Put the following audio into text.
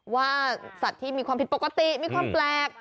ว่าสัตว์ที่มีความผิดปกติมีความแปลก